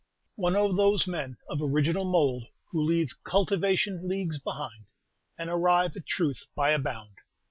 "One of those men of original mould who leave cultivation leagues behind, and arrive at truth by a bound."